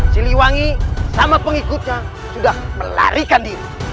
siliwangi sama pengikutnya sudah melarikan diri